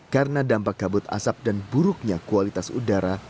karena dampak kabut asap dan buruknya kualitas udara